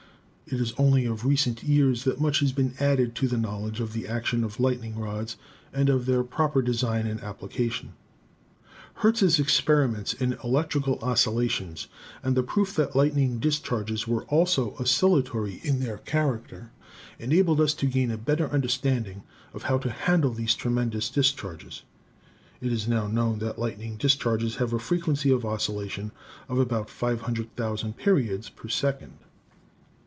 It is only of recent years that much has been added to the knowledge of the action of lightning rods and of their proper design and application. Hertz's experiments in electrical oscillations and the proof that lightning dis charges were also oscillatory in their character, enabled ELECTROSTATICS 175 us to gain a better understanding of how to handle these tremendous discharges. It is now known that lightning discharges have a frequency of oscillation of about 500, 000 periods per second.